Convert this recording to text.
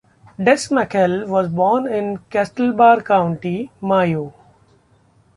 Des MacHale was born in Castlebar, County Mayo.